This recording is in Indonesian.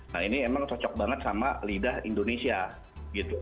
nah ini emang cocok banget sama lidah indonesia gitu